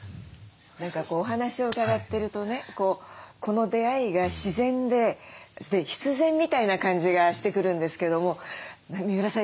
何かお話を伺ってるとねこの出会いが自然で必然みたいな感じがしてくるんですけども三浦さん